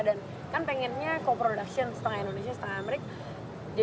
dan kan pengennya co production setengah indonesia setengah amerika